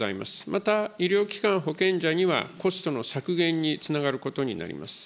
また、医療機関、保険者にはコストの削減につながることになります。